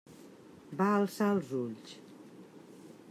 Va alçar els ulls.